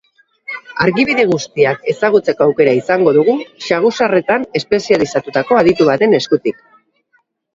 Argibide guztiak ezagutzeko aukera izango dugu, saguzarretan espezializatutako aditu baten eskutik.